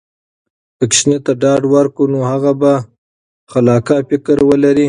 که ماشوم ته ډاډ ورکړو، نو هغه به خلاقه فکر ولري.